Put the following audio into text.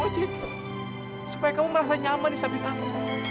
supaya kamu merasa nyaman di samping aku